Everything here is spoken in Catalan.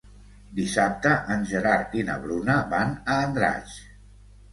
Dissabte en Gerard i na Bruna van a Andratx.